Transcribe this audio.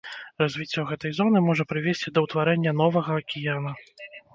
Развіццё гэтай зоны можа прывесці да ўтварэння новага акіяна.